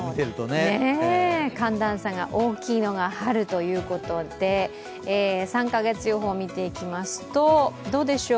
寒暖差が大きいのが春ということで３か月予報を見ていきますと、どうでしょう？